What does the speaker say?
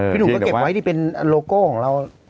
หนุ่มก็เก็บไว้ที่เป็นโลโก้ของเรา